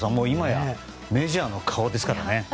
いまやメジャーの顔ですからね。